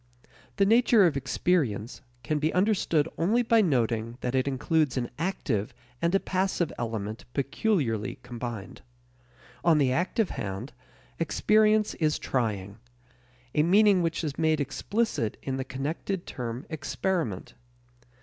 The nature of experience can be understood only by noting that it includes an active and a passive element peculiarly combined. On the active hand, experience is trying a meaning which is made explicit in the connected term experiment.